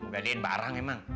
gadein bareng emang